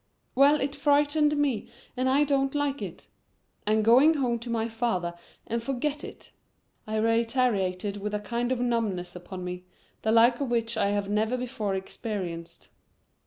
"Well, it frightened me, and I don't like it. I'm going home to my father and forget it," I reiterated with a kind of numbness upon me, the like of which I had never before experienced.